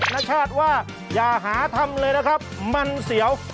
ณชาติว่าอย่าหาทำเลยนะครับมันเสียว